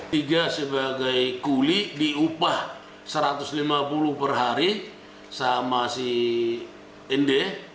tiga sebagai kuli diupah satu ratus lima puluh per hari sama si nd